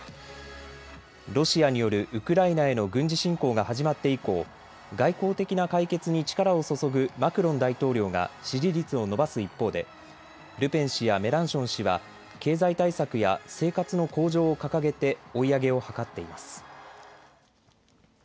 ロシアによるウクライナへの軍事侵攻が始まって以降、外交的な解決に力を注ぐマクロン大統領が支持率を伸ばす一方でルペン氏やメランション氏は、経済対策や生活の向上を掲げて追い上げを図っています。